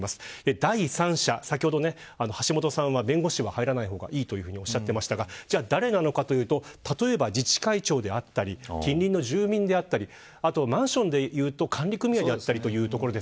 第三者、先ほど橋下さんは弁護士は入らない方がいいとおっしゃってましたがじゃあ誰なのかというと例えば自治会長だったり近隣の住民であったりあとマンションでいうと管理組合であったりということです。